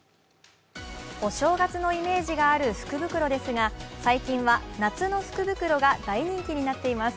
お正月のイメージがある福袋ですが最近は夏の福袋が大人気になっています。